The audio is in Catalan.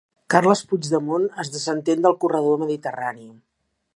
Carles Puigdemont es desentén del corredor mediterrani